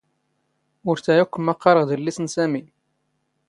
ⵓⵔ ⵜⴰ ⴰⴽⴽⵯ ⵎⵎⴰⵇⵇⴰⵔⵖ ⴷ ⵉⵍⵍⵉⵙ ⵏ ⵙⴰⵎⵉ.